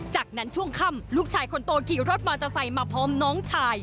จากนั้นช่วงค่ำลูกชายคนโตขี่รถมอเตอร์ไซค์มาพร้อมน้องชาย